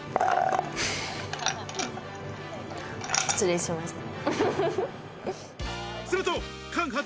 失礼しました。